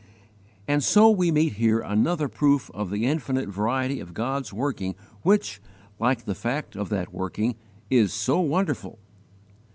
And so we meet here another proof of the infinite variety of God's working which, like the fact of that working, is so wonderful.